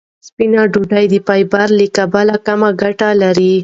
سپینه ډوډۍ د فایبر له کبله کمه ګټه لري.